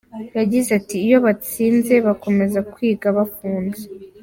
Yagize ati “Iyo batsinze bakomeza kwiga bafunze.